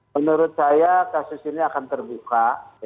menurut saya kasus ini akan terbuka